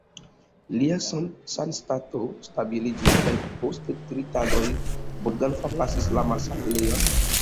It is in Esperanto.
Lia sanstato stabiliĝis kaj post tri tagoj Bogdan forlasis la malsanulejon.